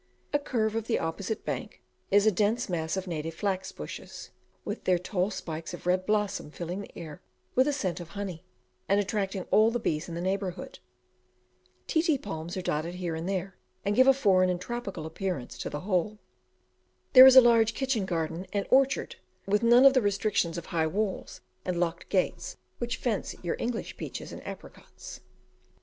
A curve of the opposite bank is a dense mass of native flax bushes, with their tall spikes of red blossom filling the air with a scent of honey, and attracting all the bees in the neighbourhood. Ti ti palms are dotted here and there, and give a foreign and tropical appearance to the whole. There is a large kitchen garden and orchard, with none of the restrictions of high walls and locked gates which fence your English peaches and apricots.